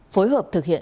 phối hợp thực hiện